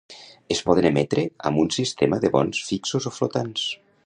Es poden emetre amb un sistema de bons fixos o flotants.